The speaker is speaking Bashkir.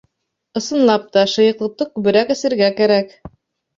Ысынлап та, шыйыҡлыҡты күберәк эсергә кәрәк.